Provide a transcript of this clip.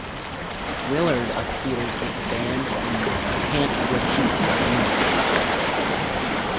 Willard appeared with the band in the "Can't Repeat" music video.